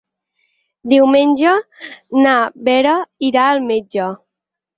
Diumenge na Vera irà al metge.